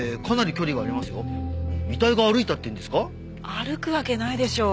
歩くわけないでしょう。